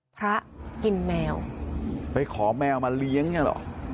พระกินแมวไปขอแมวมาเลี้ยงเนี่ยเหรอ